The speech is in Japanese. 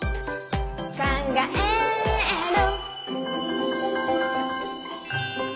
「かんがえる」